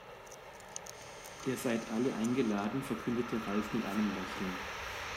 Ihr seid alle eingeladen, verkündete Ralf mit einem Lächeln.